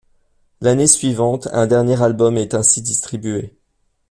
L'année suivante un dernier album est ainsi distribué.